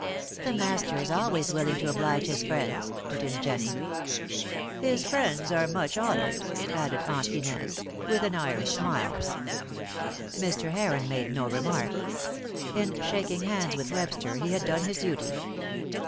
"The Master is always willing to oblige his friends," put in Jennie. "His friends are much honoured," added Aunt Inez, with an iron smile. Mr. Heron made no remark. In shaking hands with Webster he had done his duty.